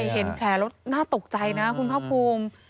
เห็นแผลแล้วน่าตกใจนะคุณภาคภูมิ